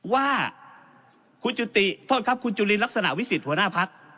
ว่าคุณจุติโทษครับคุณจุลินลักษณะวิสิทธิหัวหน้าพัก